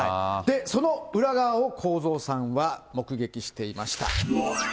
その裏側を公造さんは目撃していました。